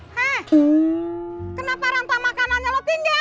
hei kenapa rantai makanannya lo tinggal